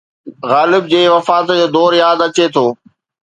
غالب جي وفات جو دور ياد اچي ٿو